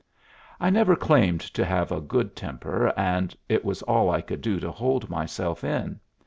I never claimed to have a good temper, and it was all I could do to hold myself in.